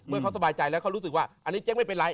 เขาสบายใจแล้วเขารู้สึกว่าอันนี้เจ๊ไม่เป็นไร